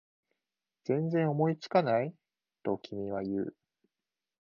全然思いつかない？と君は言う